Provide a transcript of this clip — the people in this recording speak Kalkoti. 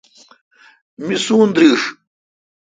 می سون درݭ۔